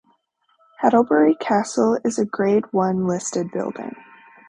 Hartlebury Castle is a Grade One listed building.